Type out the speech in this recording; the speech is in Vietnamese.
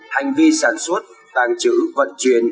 hành vi sản xuất tàng trữ vận chuyển